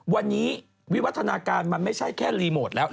วันนี้วิวัฒนาการมันไม่ใช่แค่รีโมทแล้ว